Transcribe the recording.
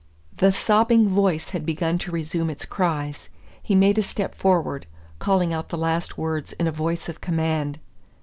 The sobbing voice had begun to resume its cries. He made a step forward, calling out the last words in a voice of command.